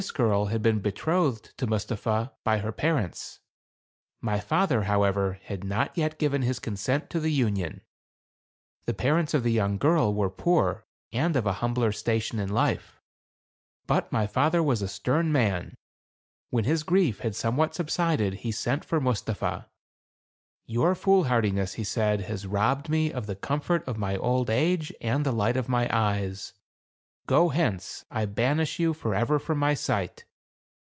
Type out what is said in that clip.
This girl had been betrothed to Mus tapha by her parents. My father, however, had not yet given his consent to the union. The parents of the young girl were poor and of a humbler station in life. But my father was a stern man. When his grief had somewhat subsided, he sent for Mus tapha. "Your foolhardiness," he said, "has robbed me of the comfort of my old age and the light of my eyes. Go hence ; I banish you for ever from my sight.